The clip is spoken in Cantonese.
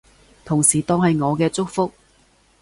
同時當係我嘅祝福